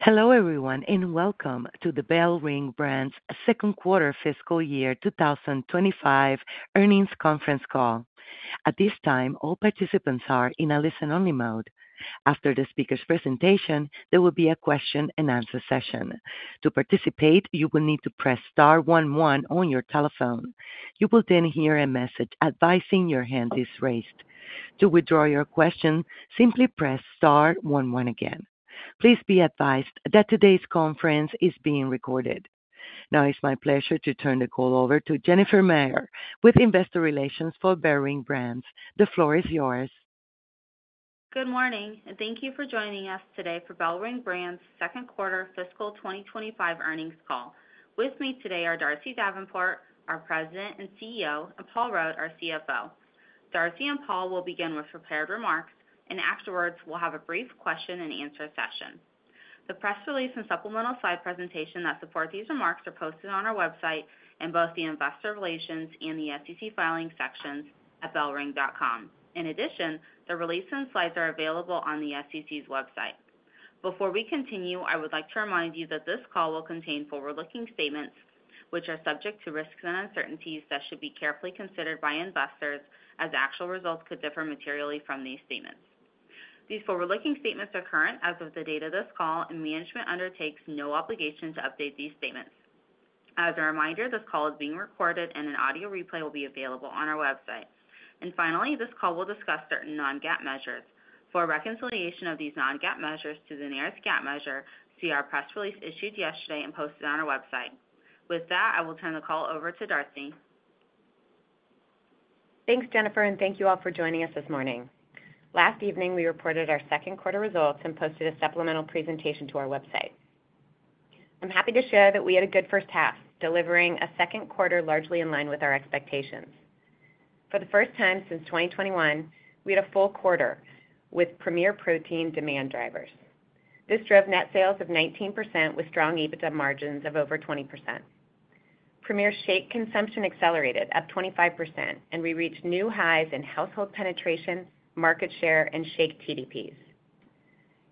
Hello everyone and welcome to the BellRing Brands Second Quarter Fiscal Year 2025 Earnings Conference Call. At this time, all participants are in a listen-only mode. After the speaker's presentation, there will be a question-and-answer session. To participate, you will need to press Star 11 on your telephone. You will then hear a message advising your hand is raised. To withdraw your question, simply press Star 11 again. Please be advised that today's conference is being recorded. Now, it's my pleasure to turn the call over to Jennifer Meyer with Investor Relations for BellRing Brands. The floor is yours. Good morning, and thank you for joining us today for BellRing Brands Second Quarter Fiscal 2025 Earnings Call. With me today are Darcy Davenport, our President and CEO, and Paul Rode, our CFO. Darcy and Paul will begin with prepared remarks, and afterwards, we'll have a brief question-and-answer session. The press release and supplemental slide presentation that support these remarks are posted on our website in both the Investor Relations and the SEC filing sections at bellring.com. In addition, the release and slides are available on the SEC's website. Before we continue, I would like to remind you that this call will contain forward-looking statements, which are subject to risks and uncertainties that should be carefully considered by investors, as actual results could differ materially from these statements. These forward-looking statements are current as of the date of this call, and management undertakes no obligation to update these statements. As a reminder, this call is being recorded, and an audio replay will be available on our website. This call will discuss certain non-GAAP measures. For reconciliation of these non-GAAP measures to the nearest GAAP measure, see our press release issued yesterday and posted on our website. With that, I will turn the call over to Darcy. Thanks, Jennifer, and thank you all for joining us this morning. Last evening, we reported our second quarter results and posted a supplemental presentation to our website. I'm happy to share that we had a good first half, delivering a second quarter largely in line with our expectations. For the first time since 2021, we had a full quarter with Premier Protein demand drivers. This drove net sales of 19% with strong EBITDA margins of over 20%. Premier shake consumption accelerated up 25%, and we reached new highs in household penetration, market share, and shake TDPs.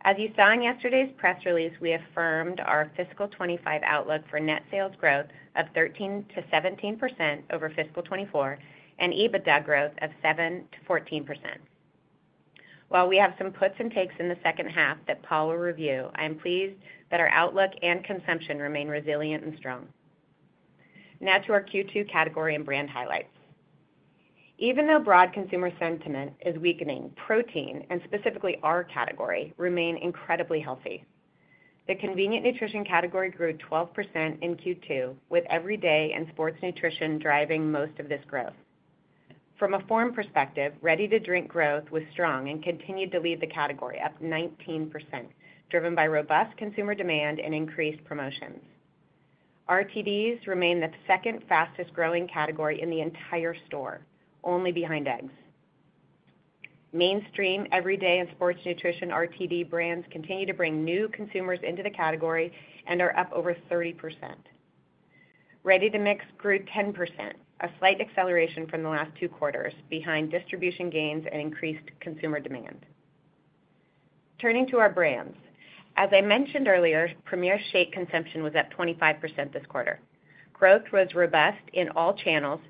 As you saw in yesterday's press release, we affirmed our fiscal 2025 outlook for net sales growth of 13%-17% over fiscal 2024 and EBITDA growth of 7%-14%. While we have some puts and takes in the second half that Paul will review, I am pleased that our outlook and consumption remain resilient and strong. Now to our Q2 category and brand highlights. Even though broad consumer sentiment is weakening, protein, and specifically our category, remain incredibly healthy. The convenient nutrition category grew 12% in Q2, with everyday and sports nutrition driving most of this growth. From a form perspective, ready-to-drink growth was strong and continued to lead the category up 19%, driven by robust consumer demand and increased promotions. RTDs remain the second fastest-growing category in the entire store, only behind eggs. Mainstream, everyday, and sports nutrition RTD brands continue to bring new consumers into the category and are up over 30%. Ready-to-mix grew 10%, a slight acceleration from the last 2 quarters, behind distribution gains and increased consumer demand. Turning to our brands, as I mentioned earlier, Premier shake consumption was up 25% this quarter. Growth was robust in all channels,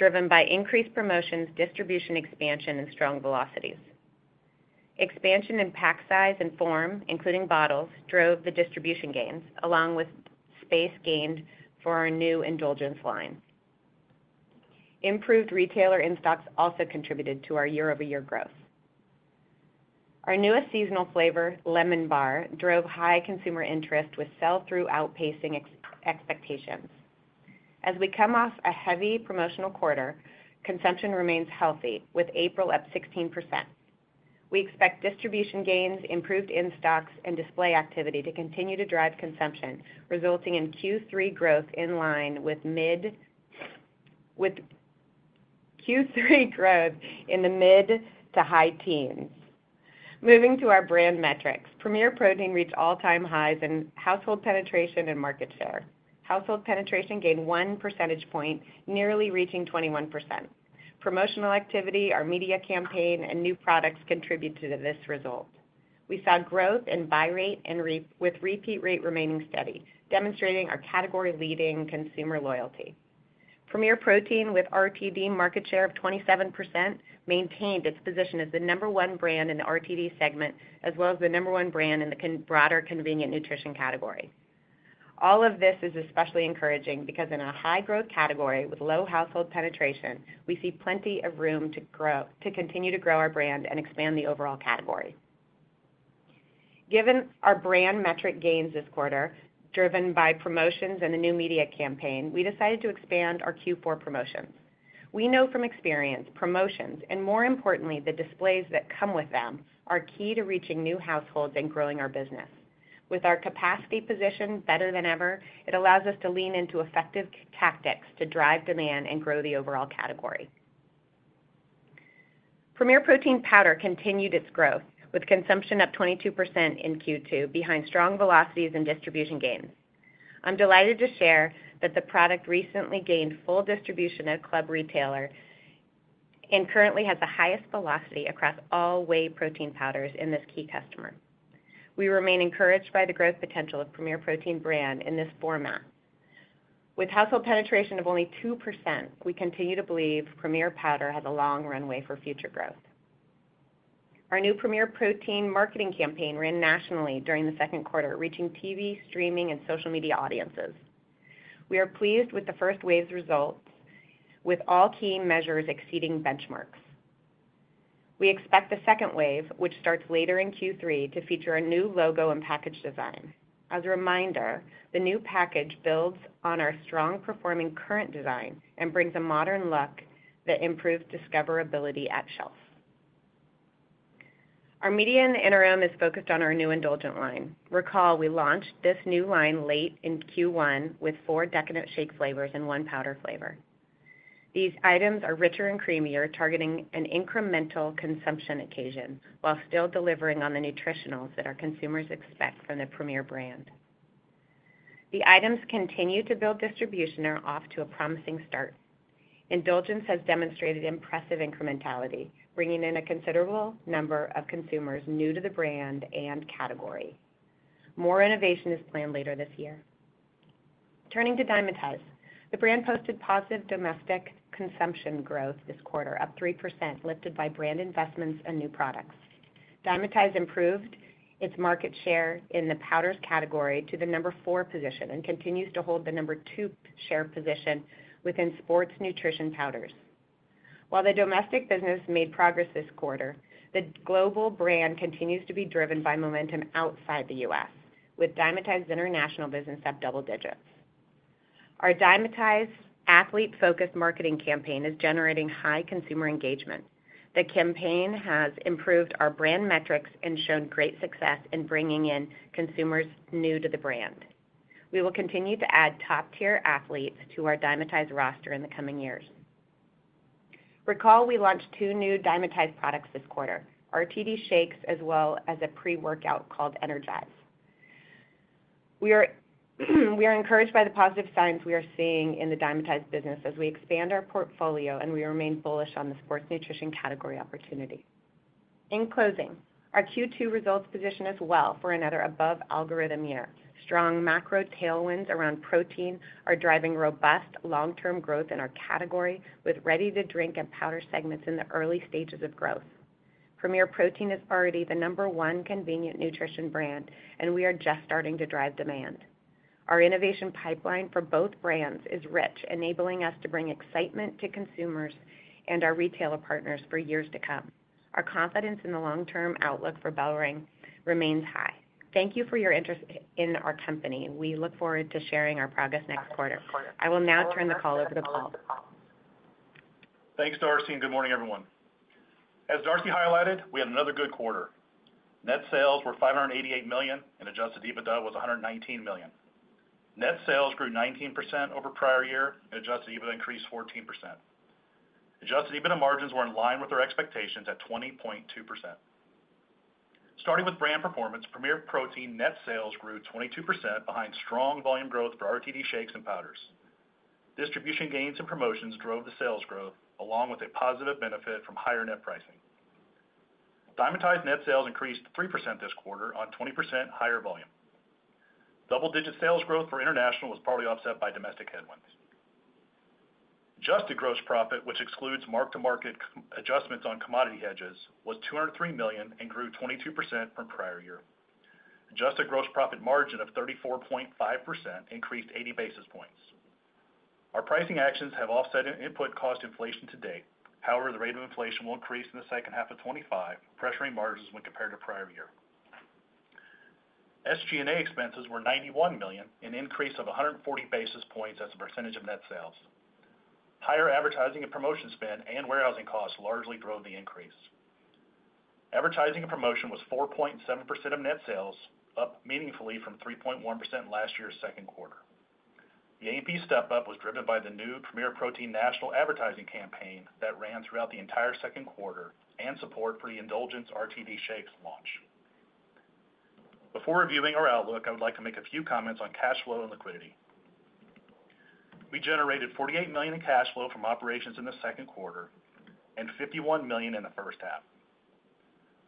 driven by increased promotions, distribution expansion, and strong velocities. Expansion in pack size and form, including bottles, drove the distribution gains, along with space gained for our new Indulgence line. Improved retailer in-stocks also contributed to our year-over-year growth. Our newest seasonal flavor, Lemon Bar, drove high consumer interest with sell-through outpacing expectations. As we come off a heavy promotional quarter, consumption remains healthy, with April up 16%. We expect distribution gains, improved in-stocks, and display activity to continue to drive consumption, resulting in Q3 growth in line with Q3 growth in the mid to high teens. Moving to our brand metrics, Premier Protein reached all-time highs in household penetration and market share. Household penetration gained 1 percentage point, nearly reaching 21%. Promotional activity, our media campaign, and new products contributed to this result. We saw growth in buy rate and with repeat rate remaining steady, demonstrating our category-leading consumer loyalty. Premier Protein, with RTD market share of 27%, maintained its position as the number 1 brand in the RTD segment, as well as the number 1 brand in the broader convenient nutrition category. All of this is especially encouraging because in a high-growth category with low household penetration, we see plenty of room to continue to grow our brand and expand the overall category. Given our brand metric gains this quarter, driven by promotions and the new media campaign, we decided to expand our Q4 promotions. We know from experience promotions, and more importantly, the displays that come with them, are key to reaching new households and growing our business. With our capacity position better than ever, it allows us to lean into effective tactics to drive demand and grow the overall category. Premier Protein powder continued its growth, with consumption up 22% in Q2, behind strong velocities and distribution gains. I'm delighted to share that the product recently gained full distribution at Club Retailer and currently has the highest velocity across all whey protein powders in this key customer. We remain encouraged by the growth potential of Premier Protein brand in this format. With household penetration of only 2%, we continue to believe Premier powder has a long runway for future growth. Our new Premier Protein marketing campaign ran nationally during the second quarter, reaching TV, streaming, and social media audiences. We are pleased with the first wave's results, with all key measures exceeding benchmarks. We expect the second wave, which starts later in Q3, to feature a new logo and package design. As a reminder, the new package builds on our strong-performing current design and brings a modern look that improves discoverability at shelf. Our media and interim is focused on our new indulgent line. Recall, we launched this new line late in Q1 with 4 decadent shake flavors and 1 powder flavor. These items are richer and creamier, targeting an incremental consumption occasion while still delivering on the nutritionals that our consumers expect from the Premier brand. The items continue to build distribution and are off to a promising start. Indulgence has demonstrated impressive incrementality, bringing in a considerable number of consumers new to the brand and category. More innovation is planned later this year. Turning to Dymatize, the brand posted positive domestic consumption growth this quarter, up 3%, lifted by brand investments and new products. Dymatize improved its market share in the powders category to the number 4 position and continues to hold the number 2 share position within sports nutrition powders. While the domestic business made progress this quarter, the global brand continues to be driven by momentum outside the US, with Dymatize's international business up double digits. Our Dymatize athlete-focused marketing campaign is generating high consumer engagement. The campaign has improved our brand metrics and shown great success in bringing in consumers new to the brand. We will continue to add top-tier athletes to our Dymatize roster in the coming years. Recall, we launched 2 new Dymatize products this quarter: RTD shakes, as well as a pre-workout called Energize. We are encouraged by the positive signs we are seeing in the Dymatize business as we expand our portfolio, and we remain bullish on the sports nutrition category opportunity. In closing, our Q2 results position us well for another above-algorithm year. Strong macro tailwinds around protein are driving robust long-term growth in our category, with ready-to-drink and powder segments in the early stages of growth. Premier Protein is already the number 1 convenient nutrition brand, and we are just starting to drive demand. Our innovation pipeline for both brands is rich, enabling us to bring excitement to consumers and our retailer partners for years to come. Our confidence in the long-term outlook for BellRing remains high. Thank you for your interest in our company. We look forward to sharing our progress next quarter. I will now turn the call over to Paul. Thanks, Darcy, and good morning, everyone. As Darcy highlighted, we had another good quarter. Net sales were $588 million, and Adjusted EBITDA was $119 million. Net sales grew 19% over prior year, and Adjusted EBITDA increased 14%. Adjusted EBITDA margins were in line with our expectations at 20.2%. Starting with brand performance, Premier Protein net sales grew 22%, behind strong volume growth for RTD shakes and powders. Distribution gains and promotions drove the sales growth, along with a positive benefit from higher net pricing. Dymatize net sales increased 3% this quarter on 20% higher volume. Double-digit sales growth for international was partly offset by domestic headwinds. Adjusted gross profit, which excludes mark-to-market adjustments on commodity hedges, was $203 million and grew 22% from prior year. Adjusted gross profit margin of 34.5% increased 80 basis points. Our pricing actions have offset input-cost inflation to date. However, the rate of inflation will increase in the second half of 2025, pressuring margins when compared to prior year. SG&A expenses were $91 million, an increase of 140 basis points as a percentage of net sales. Higher advertising and promotion spend and warehousing costs largely drove the increase. Advertising and promotion was 4.7% of net sales, up meaningfully from 3.1% last year's second quarter. The A&P step-up was driven by the new Premier Protein national advertising campaign that ran throughout the entire second quarter and support for the Indulgence RTD shakes launch. Before reviewing our outlook, I would like to make a few comments on cash flow and liquidity. We generated $48 million in cash flow from operations in the second quarter and $51 million in the first half.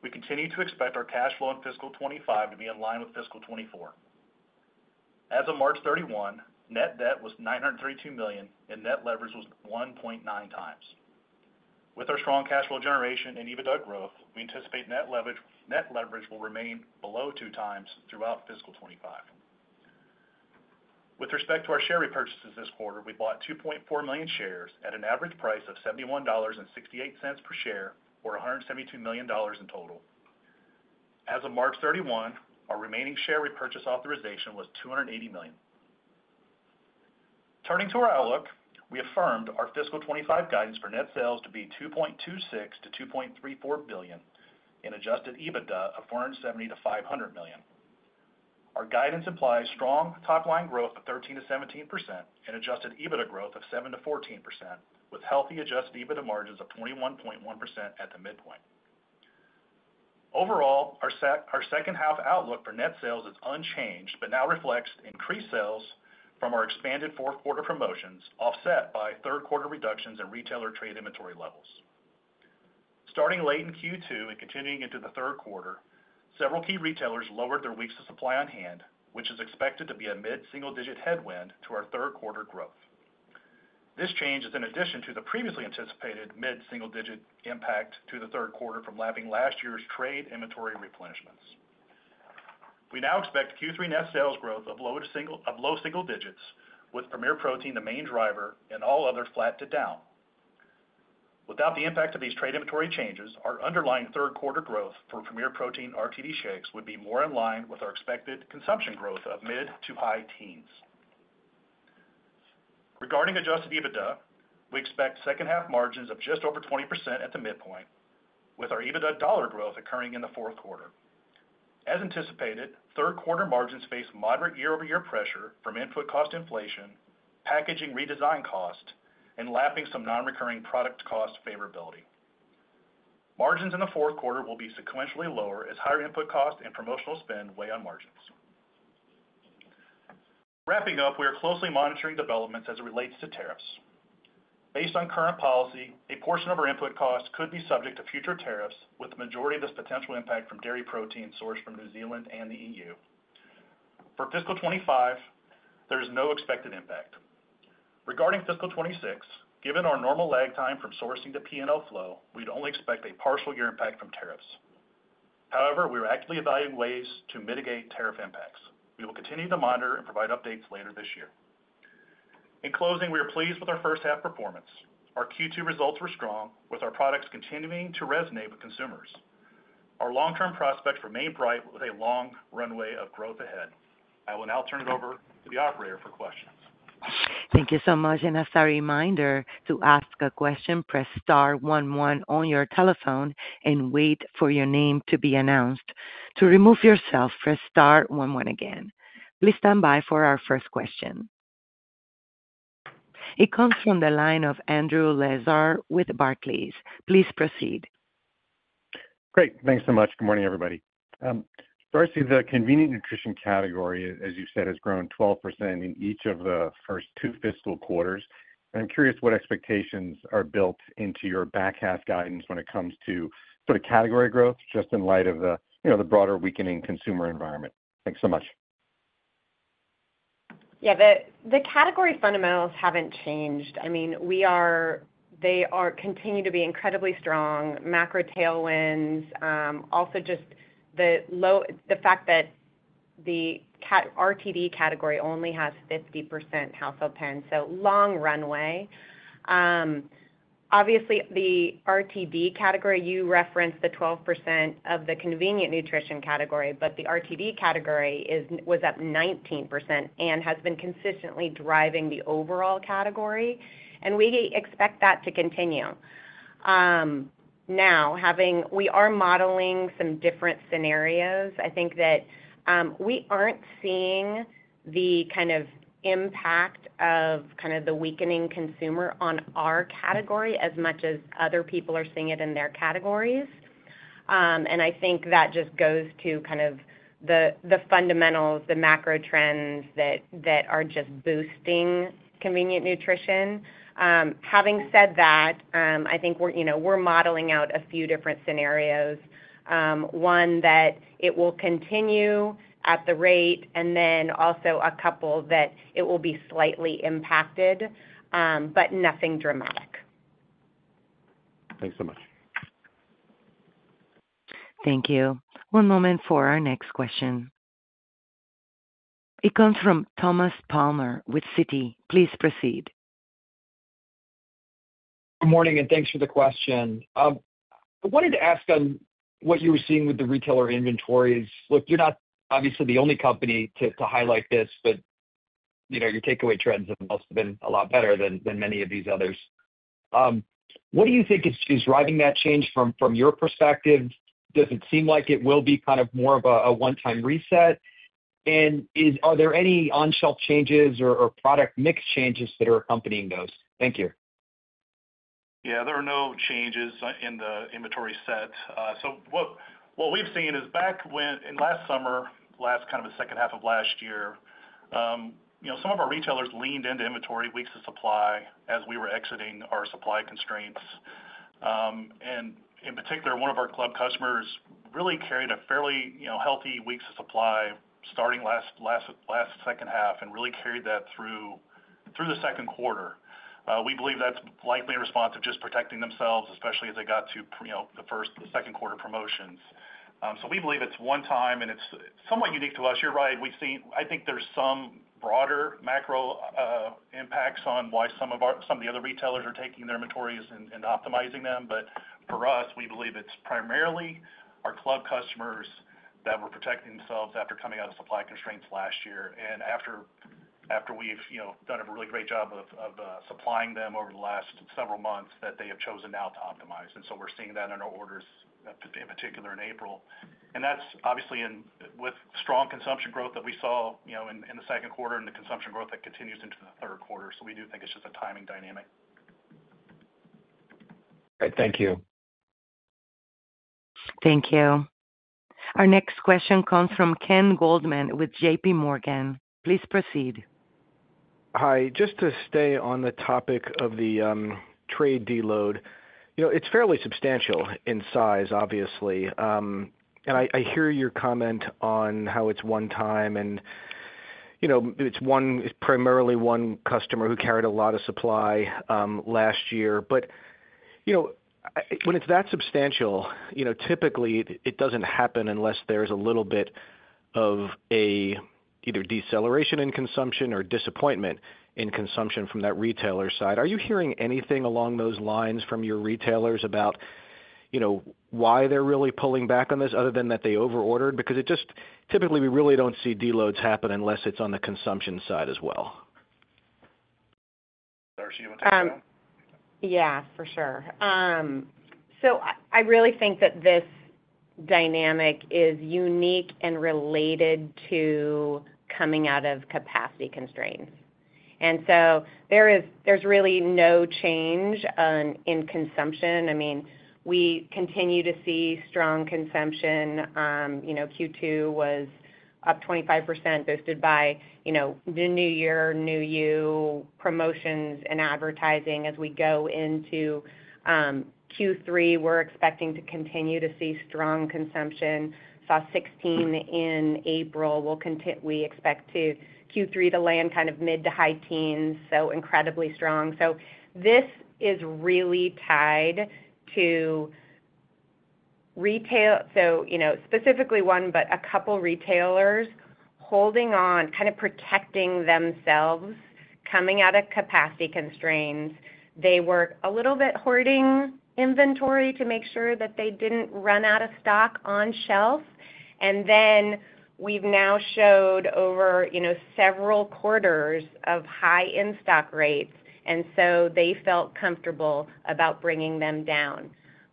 We continue to expect our cash flow in fiscal 2025 to be in line with fiscal 2024. As of March 31, net debt was $932 million, and net leverage was 1.9 times. With our strong cash flow generation and EBITDA growth, we anticipate net leverage will remain below 2 times throughout fiscal 2025. With respect to our share repurchases this quarter, we bought 2.4 million shares at an average price of $71.68 per share, or $172 million in total. As of March 31, our remaining share repurchase authorization was $280 million. Turning to our outlook, we affirmed our fiscal 2025 guidance for net sales to be $2.26 billion-$2.34 billion and Adjusted EBITDA of $470 million-$500 million. Our guidance implies strong top-line growth of 13%-17% and Adjusted EBITDA growth of 7%-14%, with healthy Adjusted EBITDA margins of 21.1% at the midpoint. Overall, our second half outlook for net sales is unchanged, but now reflects increased sales from our expanded fourth-quarter promotions, offset by third-quarter reductions in retailer trade inventory levels. Starting late in Q2 and continuing into the third quarter, several key retailers lowered their weeks of supply on hand, which is expected to be a mid-single-digit headwind to our third-quarter growth. This change is in addition to the previously anticipated mid-single-digit impact to the third quarter from lapping last year's trade inventory replenishments. We now expect Q3 net sales growth of low single digits, with Premier Protein the main driver and all others flat to down. Without the impact of these trade inventory changes, our underlying third-quarter growth for Premier Protein RTD shakes would be more in line with our expected consumption growth of mid to high teens. Regarding Adjusted EBITDA, we expect second-half margins of just over 20% at the midpoint, with our EBITDA dollar growth occurring in the fourth quarter. As anticipated, third-quarter margins face moderate year-over-year pressure from input-cost inflation, packaging redesign cost, and lapping some non-recurring product cost favorability. Margins in the fourth quarter will be sequentially lower as higher input cost and promotional spend weigh on margins. Wrapping up, we are closely monitoring developments as it relates to tariffs. Based on current policy, a portion of our input costs could be subject to future tariffs, with the majority of this potential impact from dairy protein sourced from New Zealand and the EU. For fiscal 2025, there is no expected impact. Regarding fiscal 2026, given our normal lag time from sourcing to P&L flow, we'd only expect a partial year impact from tariffs. However, we are actively evaluating ways to mitigate tariff impacts. We will continue to monitor and provide updates later this year. In closing, we are pleased with our first-half performance. Our Q2 results were strong, with our products continuing to resonate with consumers. Our long-term prospects remain bright with a long runway of growth ahead. I will now turn it over to the operator for questions. Thank you so much. As a reminder, to ask a question, press star 11 on your telephone and wait for your name to be announced. To remove yourself, press star 11 again. Please stand by for our first question. It comes from the line of Andrew Lazar with Barclays. Please proceed. Great. Thanks so much. Good morning, everybody. Darcy, the convenient nutrition category, as you said, has grown 12% in each of the first 2 fiscal quarters. I'm curious what expectations are built into your back-half guidance when it comes to sort of category growth, just in light of the broader weakening consumer environment. Thanks so much. Yeah, the category fundamentals have not changed. I mean, they continue to be incredibly strong. Macro tailwinds. Also, just the fact that the RTD category only has 50% household penetration, so long runway. Obviously, the RTD category, you referenced the 12% of the convenient nutrition category, but the RTD category was up 19% and has been consistently driving the overall category. We expect that to continue. Now, we are modeling some different scenarios. I think that we are not seeing the kind of impact of kind of the weakening consumer on our category as much as other people are seeing it in their categories. I think that just goes to kind of the fundamentals, the macro trends that are just boosting convenient nutrition. Having said that, I think we are modeling out a few different scenarios. One that it will continue at the rate, and then also a couple that it will be slightly impacted, but nothing dramatic. Thanks so much. Thank you. One moment for our next question. It comes from Thomas Palmer with Citi. Please proceed. Good morning, and thanks for the question. I wanted to ask what you were seeing with the retailer inventories. Look, you're not obviously the only company to highlight this, but your takeaway trends have also been a lot better than many of these others. What do you think is driving that change from your perspective? Does it seem like it will be kind of more of a one-time reset? Are there any on-shelf changes or product mix changes that are accompanying those? Thank you. Yeah, there are no changes in the inventory set. What we've seen is back in last summer, last kind of the second half of last year, some of our retailers leaned into inventory weeks of supply as we were exiting our supply constraints. In particular, one of our club customers really carried a fairly healthy weeks of supply starting last second half and really carried that through the second quarter. We believe that's likely in response to just protecting themselves, especially as they got to the second quarter promotions. We believe it's one time, and it's somewhat unique to us. You're right. I think there's some broader macro impacts on why some of the other retailers are taking their inventories and optimizing them. For us, we believe it's primarily our club customers that were protecting themselves after coming out of supply constraints last year. After we have done a really great job of supplying them over the last several months, they have chosen now to optimize. We are seeing that in our orders, in particular in April. That is obviously with strong consumption growth that we saw in the second quarter and the consumption growth that continues into the third quarter. We do think it is just a timing dynamic. All right. Thank you. Thank you. Our next question comes from Ken Goldman with JPMorgan. Please proceed. Hi. Just to stay on the topic of the trade deload, it's fairly substantial in size, obviously. I hear your comment on how it's one time, and it's primarily one customer who carried a lot of supply last year. When it's that substantial, typically it doesn't happen unless there's a little bit of either deceleration in consumption or disappointment in consumption from that retailer side. Are you hearing anything along those lines from your retailers about why they're really pulling back on this other than that they overordered? Typically we really don't see deloads happen unless it's on the consumption side as well. Darcy, you want to take that one? Yeah, for sure. I really think that this dynamic is unique and related to coming out of capacity constraints. There is really no change in consumption. I mean, we continue to see strong consumption. Q2 was up 25%, boosted by the New Year, New You promotions and advertising. As we go into Q3, we are expecting to continue to see strong consumption. Saw 16% in April. We expect Q3 to land kind of mid to high teens, so incredibly strong. This is really tied to retail, specifically one, but a couple of retailers holding on, kind of protecting themselves coming out of capacity constraints. They were a little bit hoarding inventory to make sure that they did not run out of stock on shelf. We have now showed over several quarters of high in-stock rates, and they felt comfortable about bringing them down.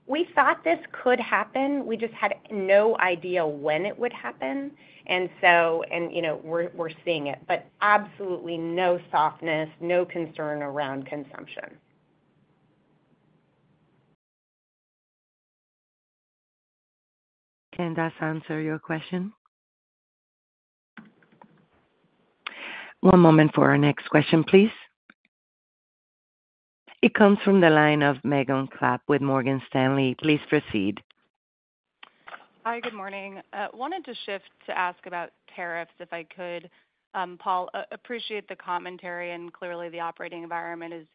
We thought this could happen. We just had no idea when it would happen, and we're seeing it. Absolutely no softness, no concern around consumption. Can that answer your question? One moment for our next question, please. It comes from the line of Megan Clapp with Morgan Stanley. Please proceed. Hi, good morning. I wanted to shift to ask about tariffs if I could. Paul, appreciate the commentary, and clearly the operating environment is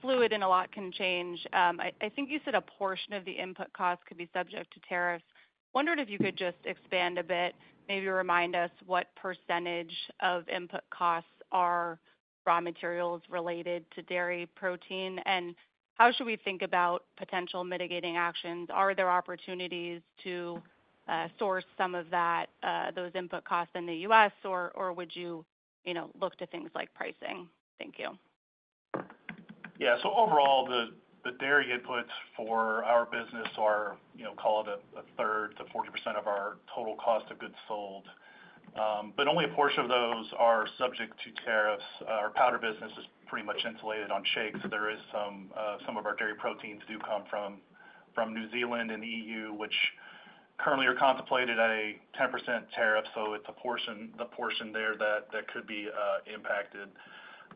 fluid and a lot can change. I think you said a portion of the input costs could be subject to tariffs. Wondered if you could just expand a bit, maybe remind us what percentage of input costs are raw materials related to dairy protein, and how should we think about potential mitigating actions? Are there opportunities to source some of those input costs in the U.S., or would you look to things like pricing? Thank you. Yeah. So overall, the dairy inputs for our business are, call it a third to 40% of our total cost of goods sold. Only a portion of those are subject to tariffs. Our powder business is pretty much insulated. On shakes, some of our dairy proteins do come from New Zealand and the EU, which currently are contemplated at a 10% tariff. It is the portion there that could be impacted.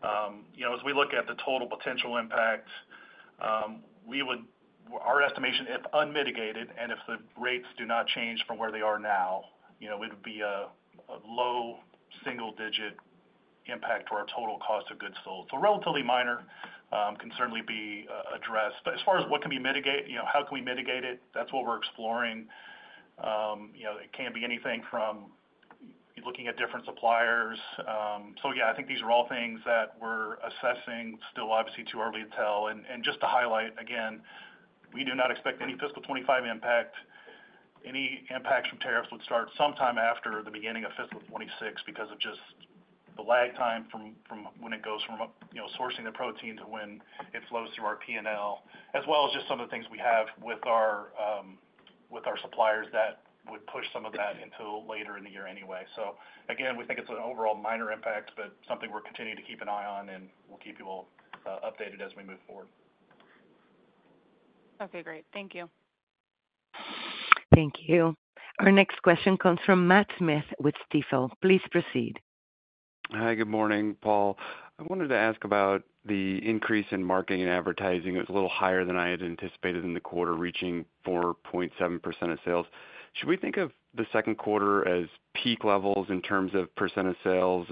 As we look at the total potential impact, our estimation, if unmitigated and if the rates do not change from where they are now, it would be a low single-digit impact to our total cost of goods sold. Relatively minor, can certainly be addressed. As far as what can be mitigated, how can we mitigate it? That is what we are exploring. It can be anything from looking at different suppliers. Yeah, I think these are all things that we're assessing. Still, obviously, too early to tell. Just to highlight again, we do not expect any fiscal 2025 impact. Any impacts from tariffs would start sometime after the beginning of fiscal 2026 because of just the lag time from when it goes from sourcing the protein to when it flows through our P&L, as well as just some of the things we have with our suppliers that would push some of that until later in the year anyway. Again, we think it's an overall minor impact, but something we're continuing to keep an eye on, and we'll keep you all updated as we move forward. Okay. Great. Thank you. Thank you. Our next question comes from Matt Smith with Stifel. Please proceed. Hi. Good morning, Paul. I wanted to ask about the increase in marketing and advertising. It was a little higher than I had anticipated in the quarter, reaching 4.7% of sales. Should we think of the second quarter as peak levels in terms of percent of sales?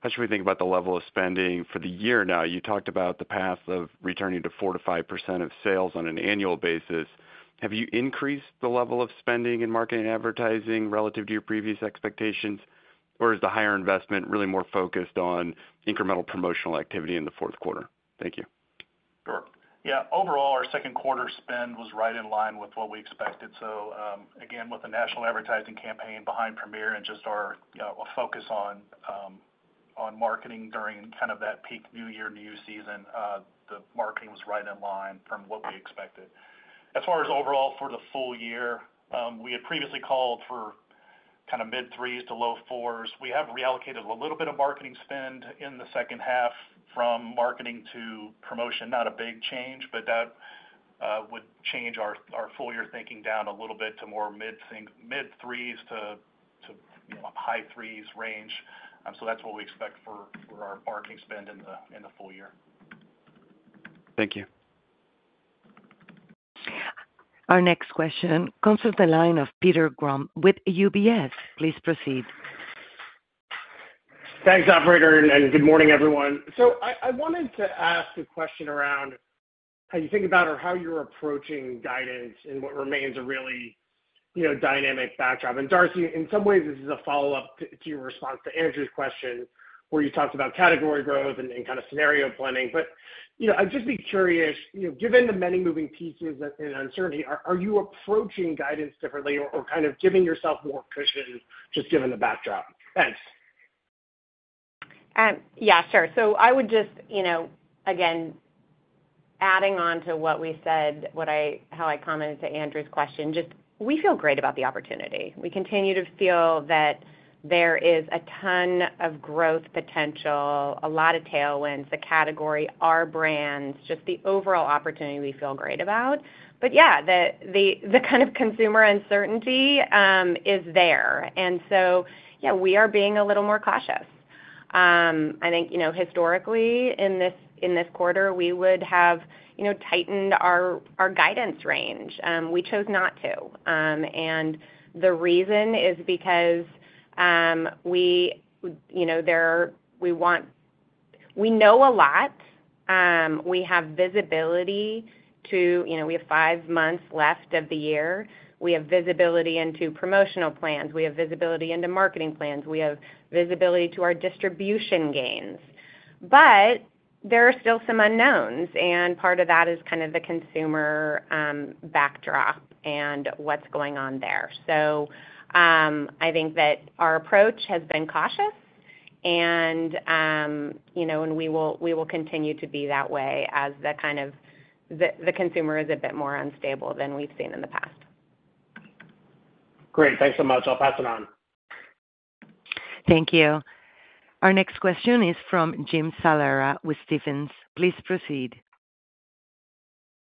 How should we think about the level of spending for the year now? You talked about the path of returning to 4-5% of sales on an annual basis. Have you increased the level of spending in marketing and advertising relative to your previous expectations? Is the higher investment really more focused on incremental promotional activity in the fourth quarter? Thank you. Sure. Yeah. Overall, our second quarter spend was right in line with what we expected. Again, with a national advertising campaign behind Premier and just our focus on marketing during kind of that peak New Year, New You season, the marketing was right in line from what we expected. As far as overall for the full year, we had previously called for kind of mid-threes to low fours. We have reallocated a little bit of marketing spend in the second half from marketing to promotion. Not a big change, but that would change our full year thinking down a little bit to more mid-threes to high threes range. That is what we expect for our marketing spend in the full year. Thank you. Our next question comes from the line of Peter Grom with UBS. Please proceed. Thanks, operator. Good morning, everyone. I wanted to ask a question around how you think about or how you're approaching guidance and what remains a really dynamic backdrop. Darcy, in some ways, this is a follow-up to your response to Andrew's question where you talked about category growth and kind of scenario planning. I'd just be curious, given the many moving pieces and uncertainty, are you approaching guidance differently or kind of giving yourself more cushion just given the backdrop? Thanks. Yeah, sure. I would just, again, adding on to what we said, how I commented to Andrew's question, we feel great about the opportunity. We continue to feel that there is a ton of growth potential, a lot of tailwinds, the category, our brands, just the overall opportunity we feel great about. Yeah, the kind of consumer uncertainty is there. Yeah, we are being a little more cautious. I think historically, in this quarter, we would have tightened our guidance range. We chose not to. The reason is because we know a lot. We have visibility to, we have 5 months left of the year. We have visibility into promotional plans. We have visibility into marketing plans. We have visibility to our distribution gains. There are still some unknowns. Part of that is kind of the consumer backdrop and what's going on there. I think that our approach has been cautious, and we will continue to be that way as the consumer is a bit more unstable than we've seen in the past. Great. Thanks so much. I'll pass it on. Thank you. Our next question is from Jim Salera with Stephens. Please proceed.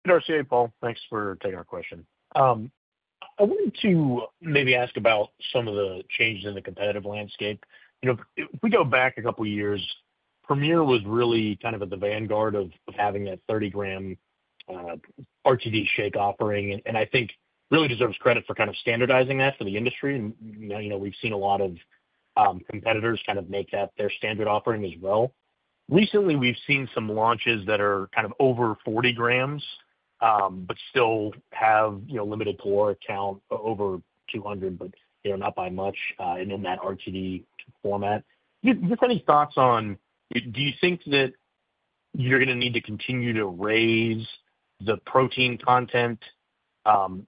Darcy, hey, Paul. Thanks for taking our question. I wanted to maybe ask about some of the changes in the competitive landscape. If we go back a couple of years, Premier was really kind of at the vanguard of having that 30-gram RTD shake offering. I think it really deserves credit for kind of standardizing that for the industry. We've seen a lot of competitors kind of make that their standard offering as well. Recently, we've seen some launches that are kind of over 40 grams but still have limited to a lower count, over 200, but not by much in that RTD format. Just any thoughts on do you think that you're going to need to continue to raise the protein content?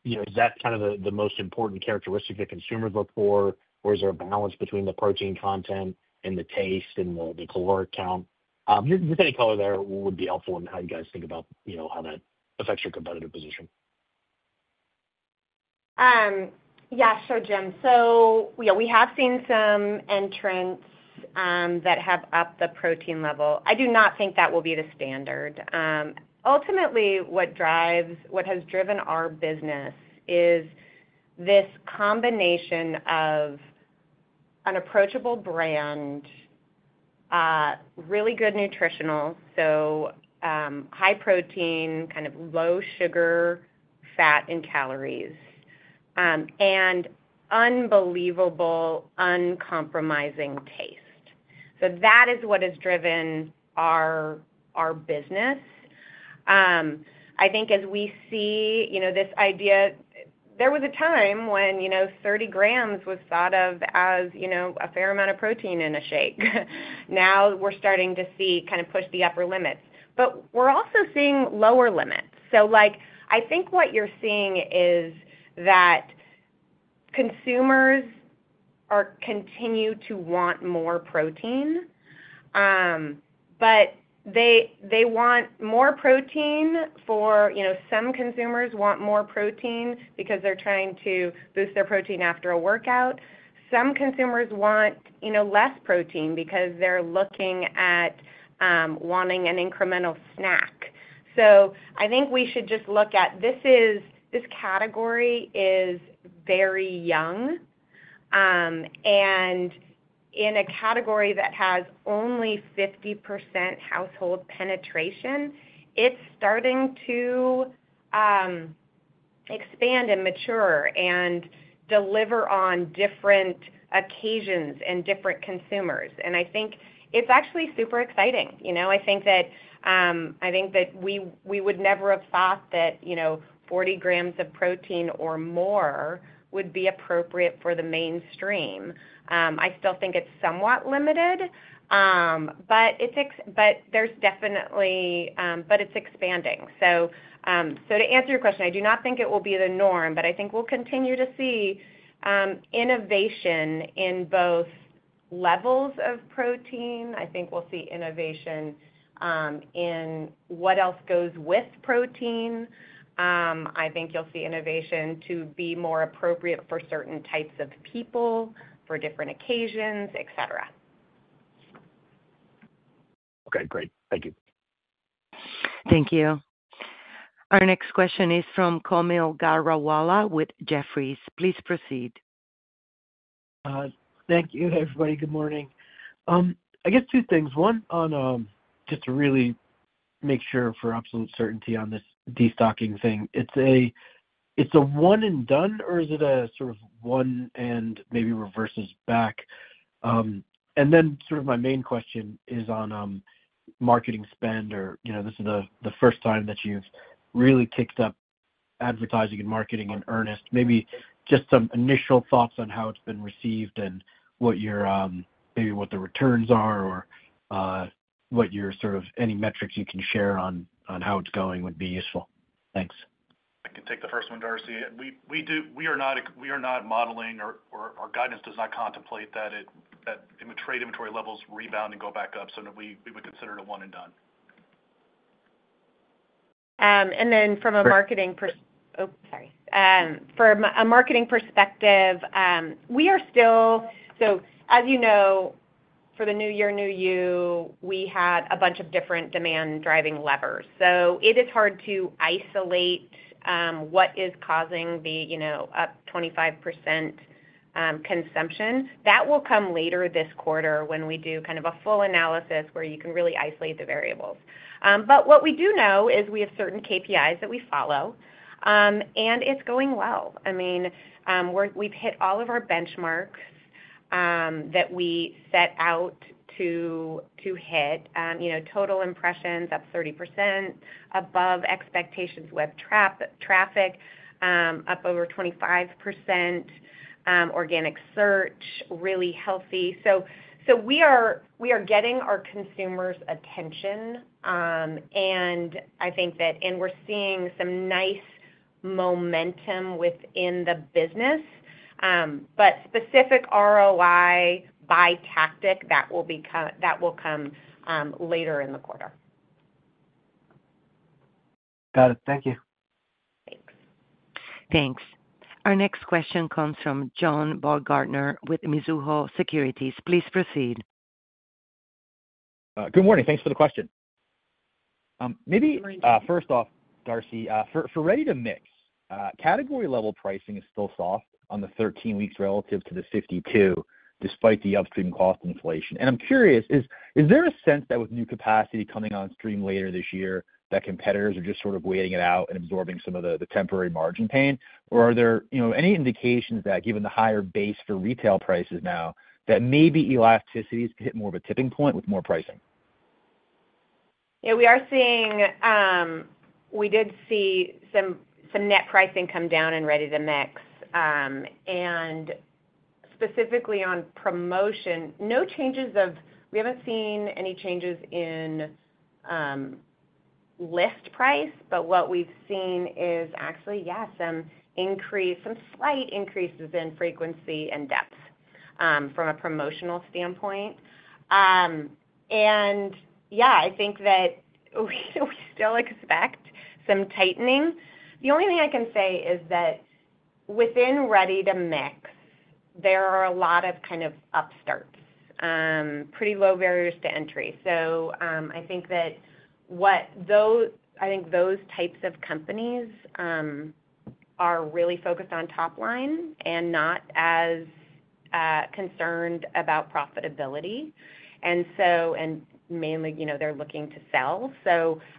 Is that kind of the most important characteristic that consumers look for? Is there a balance between the protein content and the taste and the caloric count? Just any color there would be helpful in how you guys think about how that affects your competitive position. Yeah. Sure, Jim. So we have seen some entrants that have upped the protein level. I do not think that will be the standard. Ultimately, what has driven our business is this combination of an approachable brand, really good nutritional, so high protein, kind of low sugar, fat, and calories, and unbelievable, uncompromising taste. That is what has driven our business. I think as we see this idea, there was a time when 30 grams was thought of as a fair amount of protein in a shake. Now we're starting to see kind of push the upper limits. We're also seeing lower limits. I think what you're seeing is that consumers continue to want more protein. They want more protein for some consumers want more protein because they're trying to boost their protein after a workout. Some consumers want less protein because they're looking at wanting an incremental snack. I think we should just look at this category as very young. In a category that has only 50% household penetration, it's starting to expand and mature and deliver on different occasions and different consumers. I think it's actually super exciting. I think that we would never have thought that 40 grams of protein or more would be appropriate for the mainstream. I still think it's somewhat limited, but it's expanding. To answer your question, I do not think it will be the norm, but I think we'll continue to see innovation in both levels of protein. I think we'll see innovation in what else goes with protein. I think you'll see innovation to be more appropriate for certain types of people, for different occasions, etc. Okay. Great. Thank you. Thank you. Our next question is from Kaumil Gajrawala with Jefferies. Please proceed. Thank you, everybody. Good morning. I guess 2 things. One, just to really make sure for absolute certainty on this destocking thing, it's a one and done, or is it a sort of one and maybe reverses back? And then sort of my main question is on marketing spend, or this is the first time that you've really kicked up advertising and marketing in earnest. Maybe just some initial thoughts on how it's been received and maybe what the returns are or what sort of any metrics you can share on how it's going would be useful. Thanks. I can take the first one, Darcy. We are not modeling or our guidance does not contemplate that trade inventory levels rebound and go back up. So we would consider it a one and done. From a marketing perspective. Oh, sorry. From a marketing perspective, we are still so as you know, for the New Year, New You, we had a bunch of different demand-driving levers. It is hard to isolate what is causing the up 25% consumption. That will come later this quarter when we do kind of a full analysis where you can really isolate the variables. What we do know is we have certain KPIs that we follow, and it's going well. I mean, we've hit all of our benchmarks that we set out to hit. Total impressions up 30%, above expectations with traffic, up over 25%, organic search, really healthy. We are getting our consumers' attention. I think that we're seeing some nice momentum within the business. Specific ROI by tactic, that will come later in the quarter. Got it. Thank you. Thanks. Thanks. Our next question comes from John Baumgartner with Mizuho Securities. Please proceed. Good morning. Thanks for the question. Maybe first off, Darcy, for ready to mix, category-level pricing is still soft on the 13 weeks relative to the 52, despite the upstream cost inflation. I am curious, is there a sense that with new capacity coming on stream later this year, that competitors are just sort of waiting it out and absorbing some of the temporary margin pain? Are there any indications that given the higher base for retail prices now, that maybe elasticity has hit more of a tipping point with more pricing? Yeah. We did see some net pricing come down in ready to mix. Specifically on promotion, no changes—we have not seen any changes in list price, but what we have seen is actually, yes, some slight increases in frequency and depth from a promotional standpoint. Yeah, I think that we still expect some tightening. The only thing I can say is that within ready to mix, there are a lot of kind of upstarts, pretty low barriers to entry. I think those types of companies are really focused on top line and not as concerned about profitability. Mainly, they are looking to sell.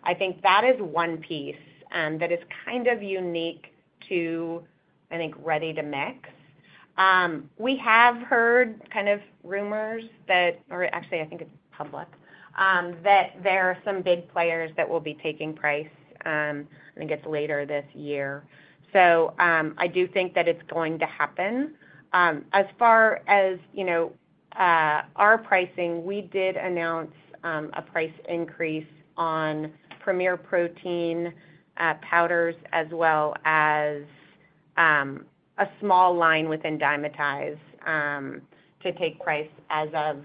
I think that is 1 piece that is kind of unique to, I think, ready to mix. We have heard kind of rumors that or actually, I think it's public that there are some big players that will be taking price, I think it's later this year. I do think that it's going to happen. As far as our pricing, we did announce a price increase on Premier Protein powders as well as a small line within Dymatize to take price as of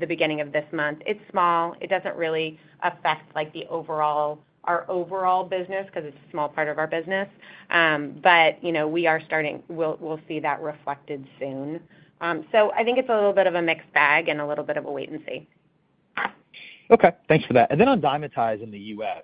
the beginning of this month. It's small. It doesn't really affect our overall business because it's a small part of our business. We are starting, we'll see that reflected soon. I think it's a little bit of a mixed bag and a little bit of a wait and see. Okay. Thanks for that. Then on Dymatize in the U.S.,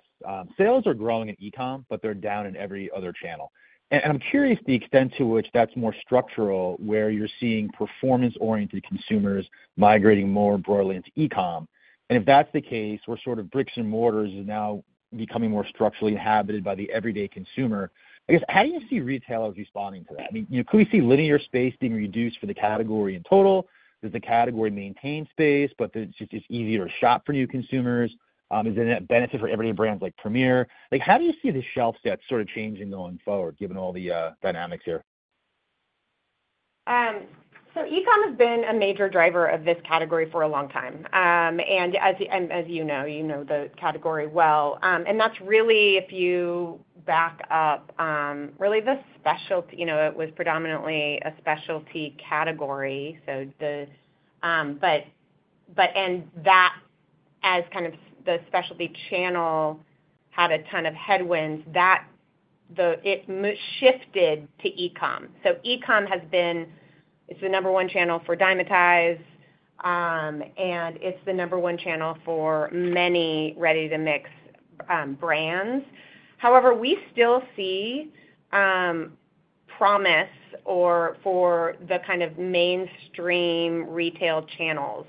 sales are growing in e-comm, but they're down in every other channel. I'm curious the extent to which that's more structural where you're seeing performance-oriented consumers migrating more broadly into e-comm. If that's the case, where sort of bricks and mortars is now becoming more structurally inhabited by the everyday consumer, I guess, how do you see retailers responding to that? I mean, can we see linear space being reduced for the category in total? Does the category maintain space, but it's easier to shop for new consumers? Is there a benefit for everyday brands like Premier? How do you see the shelf set sort of changing going forward, given all the dynamics here? E-comm has been a major driver of this category for a long time. And as you know, you know the category well. That is really, if you back up, really the specialty, it was predominantly a specialty category. But as kind of the specialty channel had a ton of headwinds, it shifted to e-comm. E-comm has been, it is the number 1 channel for Dymatize, and it is the number 1 channel for many ready to mix brands. However, we still see promise for the kind of mainstream retail channels.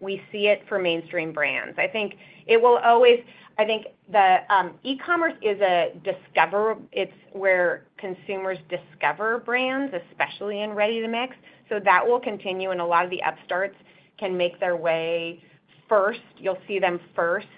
We see it for mainstream brands. I think it will always, I think e-commerce is a discovery, it is where consumers discover brands, especially in ready to mix. That will continue, and a lot of the upstarts can make their way first. You will see them first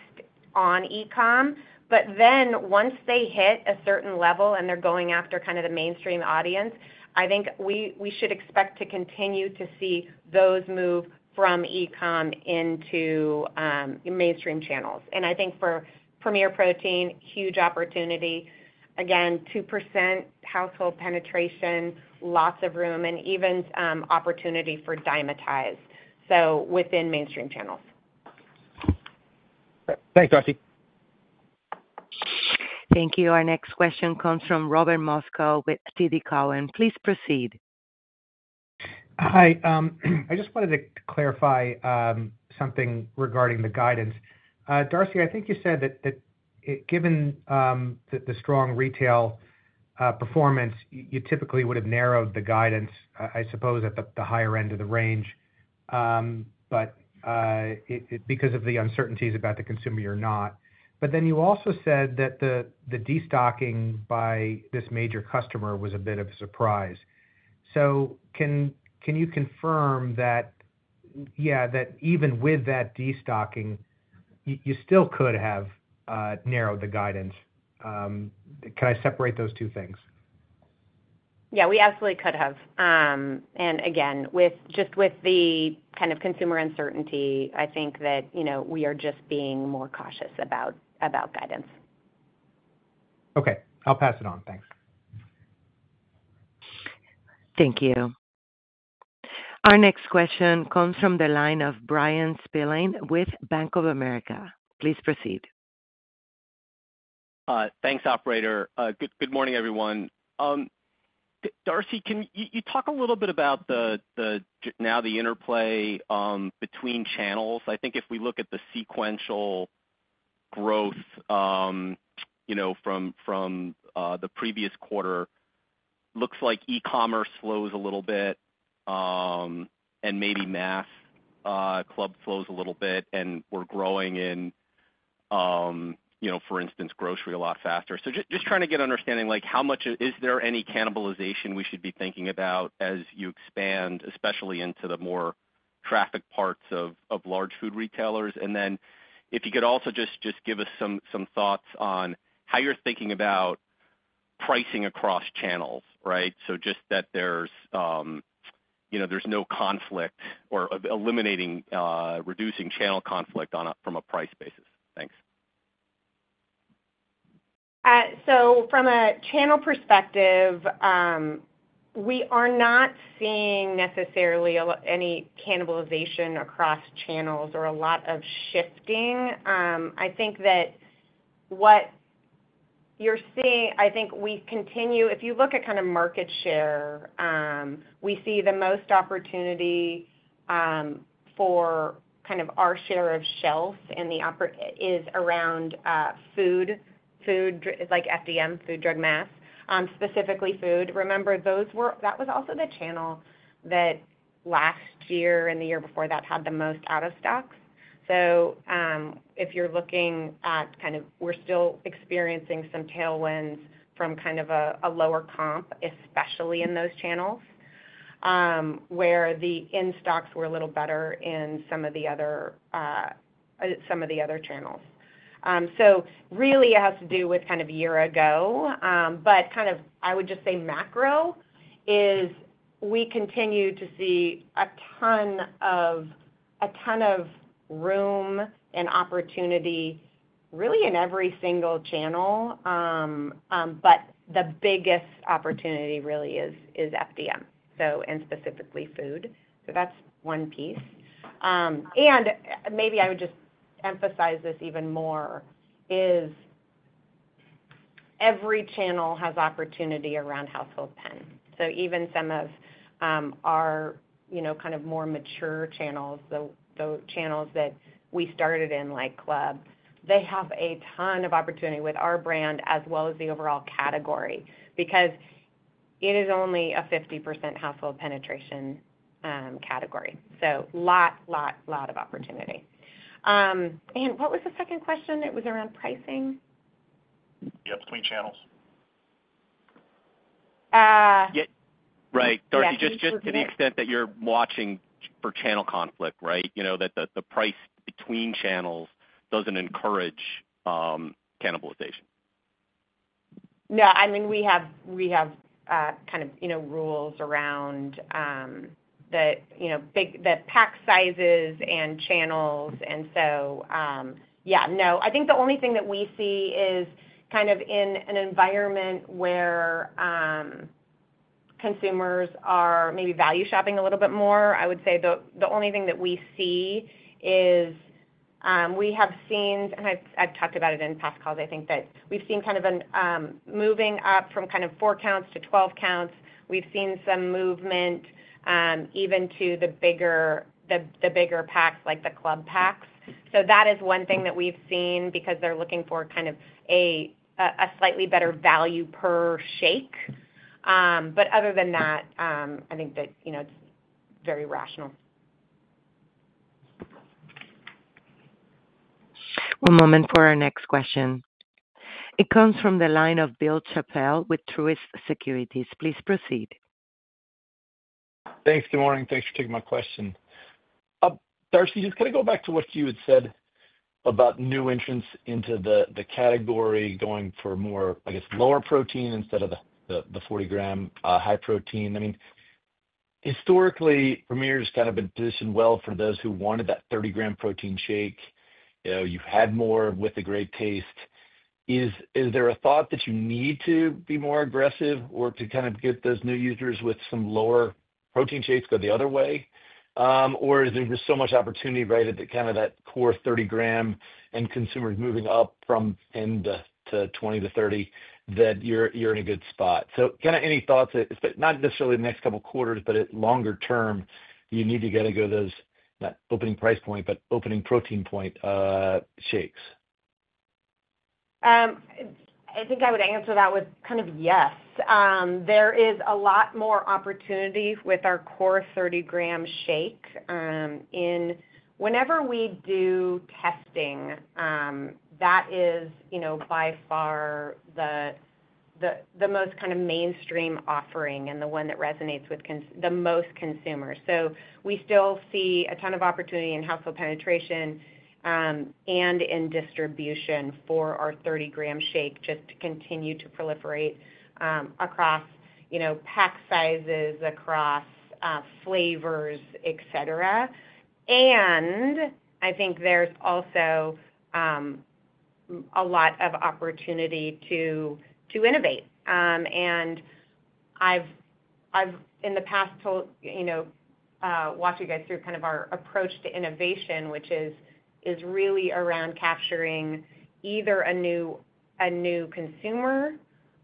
on e-comm. Once they hit a certain level and they are going after kind of the mainstream audience, I think we should expect to continue to see those move from e-comm into mainstream channels. I think for Premier Protein, huge opportunity. Again, 2% household penetration, lots of room, and even opportunity for Dymatize, so within mainstream channels. Thanks, Darcy. Thank you. Our next question comes from Robert Moskow with TD Cowen. Please proceed. Hi. I just wanted to clarify something regarding the guidance. Darcy, I think you said that given the strong retail performance, you typically would have narrowed the guidance, I suppose, at the higher end of the range, because of the uncertainties about the consumer or not. You also said that the destocking by this major customer was a bit of a surprise. Can you confirm that, yeah, that even with that destocking, you still could have narrowed the guidance? Can I separate those 2 things? Yeah. We absolutely could have. Again, just with the kind of consumer uncertainty, I think that we are just being more cautious about guidance. Okay. I'll pass it on. Thanks. Thank you. Our next question comes from the line of Bryan Spillane with Bank of America. Please proceed. Thanks, operator. Good morning, everyone. Darcy, can you talk a little bit about now the interplay between channels? I think if we look at the sequential growth from the previous quarter, it looks like e-commerce slows a little bit, and maybe mass club slows a little bit, and we're growing in, for instance, grocery a lot faster. Just trying to get an understanding how much is there any cannibalization we should be thinking about as you expand, especially into the more traffic parts of large food retailers? If you could also just give us some thoughts on how you're thinking about pricing across channels, right? Just that there's no conflict or eliminating, reducing channel conflict from a price basis. Thanks. From a channel perspective, we are not seeing necessarily any cannibalization across channels or a lot of shifting. I think that what you're seeing, I think we continue if you look at kind of market share, we see the most opportunity for kind of our share of shelf is around food, like FDM, food drug mass, specifically food. Remember, that was also the channel that last year and the year before that had the most out of stocks. If you're looking at kind of we're still experiencing some tailwinds from kind of a lower comp, especially in those channels where the in-stocks were a little better in some of the other channels. It has to do with kind of a year ago. I would just say macro is we continue to see a ton of room and opportunity really in every single channel. The biggest opportunity really is FDM, and specifically food. That is 1 piece. Maybe I would just emphasize this even more: every channel has opportunity around household pen. Even some of our kind of more mature channels, the channels that we started in like club, they have a ton of opportunity with our brand as well as the overall category because it is only a 50% household penetration category. So lot, lot, lot of opportunity. What was the second question? It was around pricing. Yep. Between channels. Right. Darcy, just to the extent that you're watching for channel conflict, right, that the price between channels doesn't encourage cannibalization. No. I mean, we have kind of rules around the pack sizes and channels. Yeah, no. I think the only thing that we see is kind of in an environment where consumers are maybe value shopping a little bit more. I would say the only thing that we see is we have seen and I've talked about it in past calls. I think that we've seen kind of moving up from kind of 4 counts to 12 counts. We've seen some movement even to the bigger packs like the club packs. That is one thing that we've seen because they're looking for kind of a slightly better value per shake. Other than that, I think that it's very rational. One moment for our next question. It comes from the line of Bill Chappell with Truist Securities. Please proceed. Thanks. Good morning. Thanks for taking my question. Darcy, just kind of go back to what you had said about new entrants into the category going for more, I guess, lower protein instead of the 40-gram high protein. I mean, historically, Premier has kind of been positioned well for those who wanted that 30-gram protein shake. You had more with the great taste. Is there a thought that you need to be more aggressive or to kind of get those new users with some lower protein shakes to go the other way? Or is there just so much opportunity, right, at kind of that core 30-gram and consumers moving up from 10 to 20 to 30 that you're in a good spot? Kind of any thoughts, not necessarily the next couple of quarters, but longer term, you need to get at those not opening price point, but opening protein point shakes. I think I would answer that with kind of yes. There is a lot more opportunity with our core 30-gram shake. Whenever we do testing, that is by far the most kind of mainstream offering and the one that resonates with the most consumers. We still see a ton of opportunity in household penetration and in distribution for our 30-gram shake just to continue to proliferate across pack sizes, across flavors, etc. I think there is also a lot of opportunity to innovate. I have, in the past, walked you guys through kind of our approach to innovation, which is really around capturing either a new consumer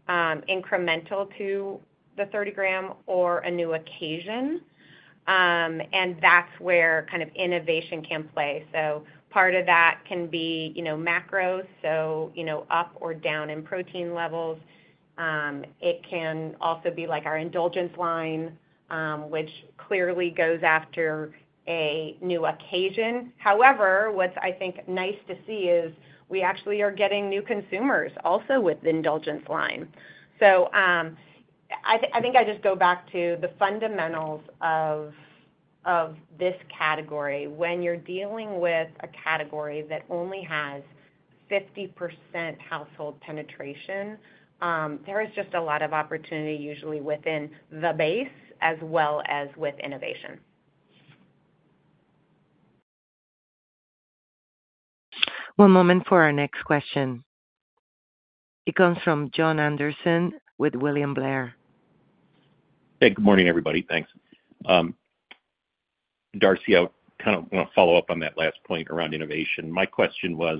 incremental to the 30-gram or a new occasion. That is where kind of innovation can play. Part of that can be macros, so up or down in protein levels. It can also be our Indulgence line, which clearly goes after a new occasion. However, what I think is nice to see is we actually are getting new consumers also with the Indulgence line. I think I just go back to the fundamentals of this category. When you're dealing with a category that only has 50% household penetration, there is just a lot of opportunity usually within the base as well as with innovation. One moment for our next question. It comes from John Anderson with William Blair. Hey, good morning, everybody. Thanks. Darcy, I kind of want to follow up on that last point around innovation. My question was,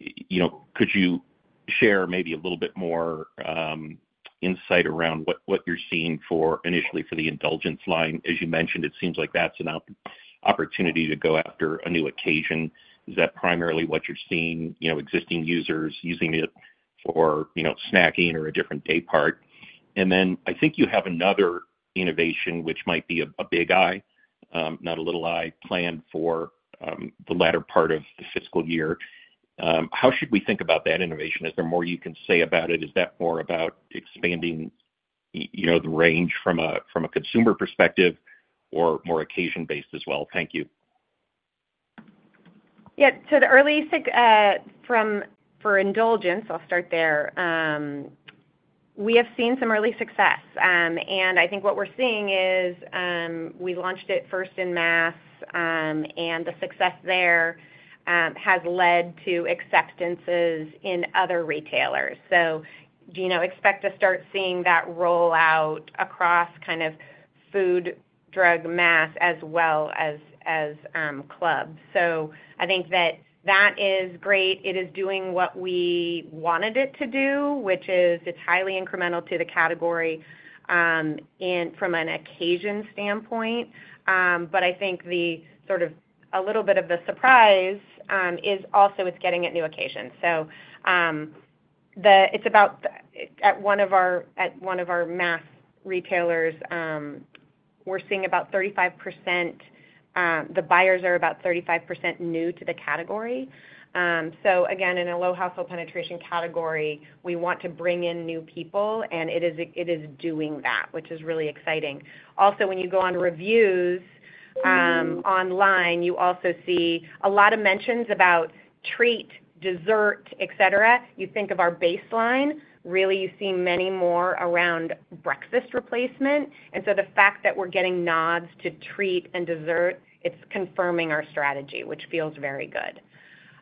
could you share maybe a little bit more insight around what you're seeing initially for the Indulgence line? As you mentioned, it seems like that's an opportunity to go after a new occasion. Is that primarily what you're seeing? Existing users using it for snacking or a different day part. I think you have another innovation, which might be a big I, not a little i, planned for the latter part of the fiscal year. How should we think about that innovation? Is there more you can say about it? Is that more about expanding the range from a consumer perspective or more occasion-based as well? Thank you. Yeah. So the early for Indulgence, I'll start there. We have seen some early success. And I think what we're seeing is we launched it first in mass, and the success there has led to acceptances in other retailers. Do you expect to start seeing that rollout across kind of food, drug, mass as well as clubs? I think that that is great. It is doing what we wanted it to do, which is it's highly incremental to the category from an occasion standpoint. I think a little bit of the surprise is also it's getting at new occasions. At one of our mass retailers, we're seeing about 35%—the buyers are about 35% new to the category. Again, in a low household penetration category, we want to bring in new people, and it is doing that, which is really exciting. Also, when you go on reviews online, you also see a lot of mentions about treat, dessert, etc. You think of our baseline. Really, you see many more around breakfast replacement. The fact that we're getting nods to treat and dessert, it's confirming our strategy, which feels very good.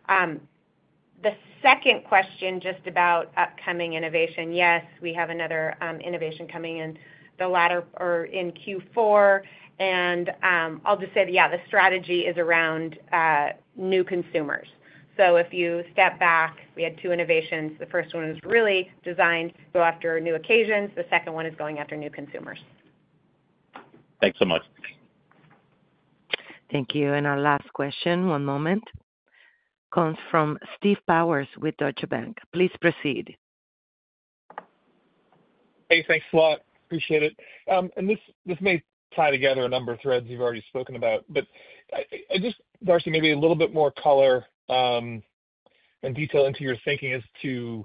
The second question just about upcoming innovation. Yes, we have another innovation coming in the latter or in Q4. I'll just say that, yeah, the strategy is around new consumers. If you step back, we had 2 innovations. The first one is really designed to go after new occasions. The second one is going after new consumers. Thanks so much. Thank you. Our last question, one moment, comes from Steve Powers with Deutsche Bank. Please proceed. Hey, thanks a lot. Appreciate it. This may tie together a number of threads you've already spoken about. Just, Darcy, maybe a little bit more color and detail into your thinking as to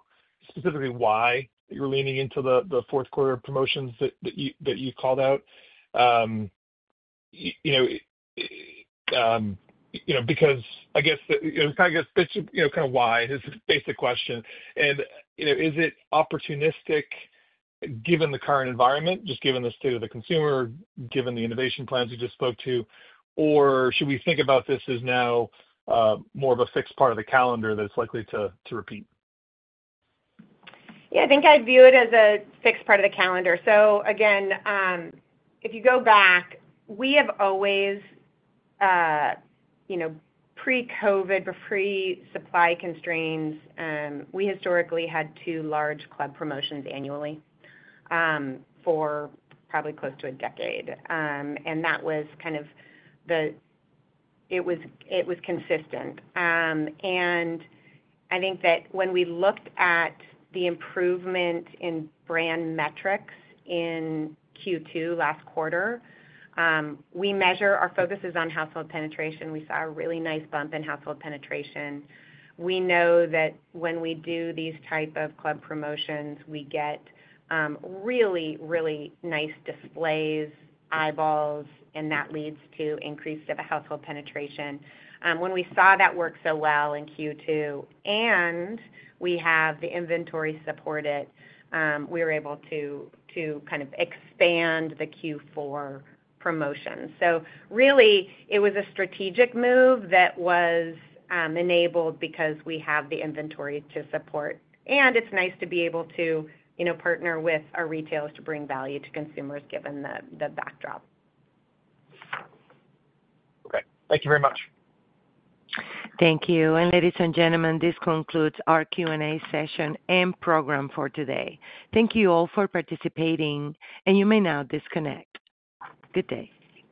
specifically why you're leaning into the fourth quarter promotions that you called out. I guess it was kind of a bit kind of why is the basic question. Is it opportunistic given the current environment, just given the state of the consumer, given the innovation plans you just spoke to? Should we think about this as now more of a fixed part of the calendar that's likely to repeat? Yeah. I think I view it as a fixed part of the calendar. If you go back, we have always, pre-COVID, pre-supply constraints, we historically had 2 large club promotions annually for probably close to a decade. That was kind of the, it was consistent. I think that when we looked at the improvement in brand metrics in Q2 last quarter, our focus is on household penetration. We saw a really nice bump in household penetration. We know that when we do these type of club promotions, we get really, really nice displays, eyeballs, and that leads to increased household penetration. When we saw that work so well in Q2 and we have the inventory to support it, we were able to kind of expand the Q4 promotion. It was a strategic move that was enabled because we have the inventory to support. It is nice to be able to partner with our retailers to bring value to consumers given the backdrop. Okay. Thank you very much. Thank you. Ladies and gentlemen, this concludes our Q&A session and program for today. Thank you all for participating, and you may now disconnect. Good day.